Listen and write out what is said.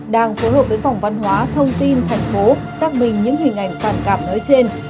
đang phối hợp với phòng văn hóa thông tin thành phố xác minh những hình ảnh phản cảm nói trên